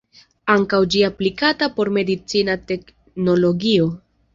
Ankaŭ ĝi aplikata por medicina teknologio.